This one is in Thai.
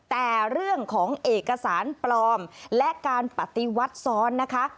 แต่เรื่องของเอกสารปลอมและการปฏิวัติซ้อนนะคะ